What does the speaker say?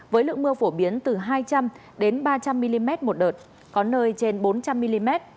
với lượng mưa phổ biến từ hai trăm linh ba trăm linh mm một đợt có nơi trên bốn trăm linh mm